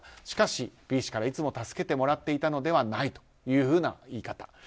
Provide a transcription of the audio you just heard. しかしＢ氏からいつも助けてもらっていたのではないという言い方。